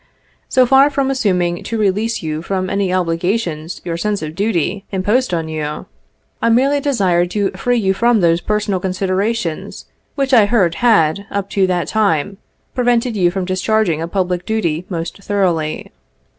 So far from assuming to release you from any obligations your sense of duty imposed on you, I merely desired to free you from those personal considerations which I heard had, up to that time, prevented you from discharging a public duty most thoroughly.